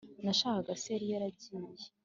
nashakaga se yari yagiye